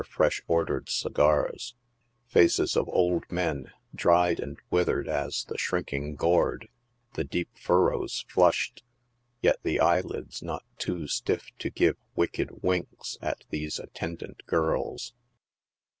fresh ordered segars ; faces of old men, dried and withered as the shrinking gourd, the deep furrows flushed, yet the eyelids not too stiff to give wicked winks at these attendant girls.